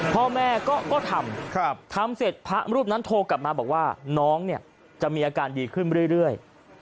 พ่อแม่ก็ทำทำเสร็จพระรูปนั้นโทรกลับมาบอกว่าน้องเนี่ยจะมีอาการดีขึ้นเรื่อย